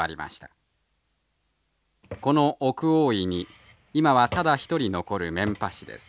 この奥大井に今はただ一人残るメンパ師です。